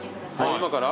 今から？